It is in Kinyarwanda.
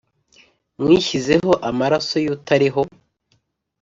mwishyizeho amaraso y utariho